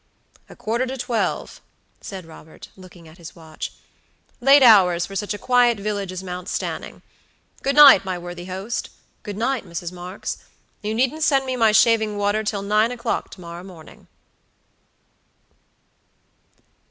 "A quarter to twelve," said Robert, looking at his watch. "Late hours for such a quiet village as Mount Stanning. Good night, my worthy host. Good night, Mrs. Marks. You needn't send me my shaving water till nine o'clock to morrow morning."